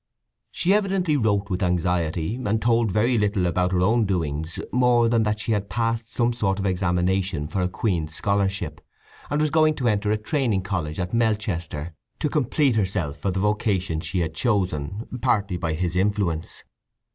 She evidently wrote with anxiety, and told very little about her own doings, more than that she had passed some sort of examination for a Queen's Scholarship, and was going to enter a training college at Melchester to complete herself for the vocation she had chosen, partly by his influence.